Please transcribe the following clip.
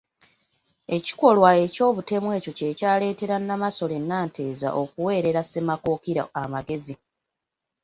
Ekikolwa eky'obutemu ekyo kye kyaleetera Namasole Nanteza okuweerera Ssemakookiro amagezi.